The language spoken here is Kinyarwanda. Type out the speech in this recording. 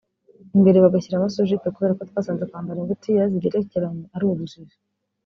imbere bagashyiramo ‘sous jupe’ kubera ko twasanze kwambara ingutiya zigerekeranye ari ubujiji